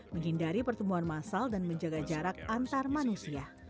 menghindari pertemuan masal dan menjaga jarak antar manusia